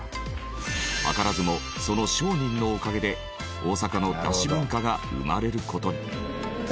図らずもその商人のおかげで大阪のだし文化が生まれる事に。